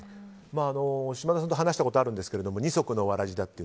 島田さんと話したことがあるんですが二足のわらじだと。